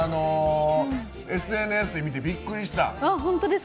ＳＮＳで見てびっくりした。